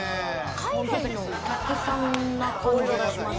海外のお客さんな感じがします。